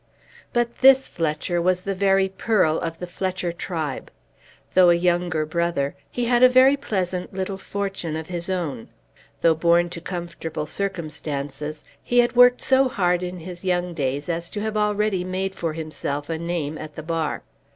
But this Fletcher was the very pearl of the Fletcher tribe. Though a younger brother, he had a very pleasant little fortune of his own. Though born to comfortable circumstances, he had worked so hard in his young days as to have already made for himself a name at the bar.